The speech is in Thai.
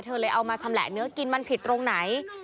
เลยเอามาชำแหละเนื้อกินมันผิดตรงไหน